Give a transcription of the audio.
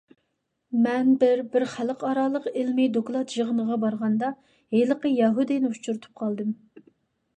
مەن بىر بىر خەلقئارالىق ئىلمىي دوكلات يىغىنىغا بارغاندا، ھېلىقى يەھۇدىينى ئۇچۇرتۇپ قالدىم.